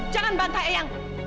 jangan bantah eyang